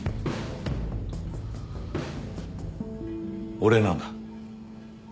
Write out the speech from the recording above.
俺なんだ。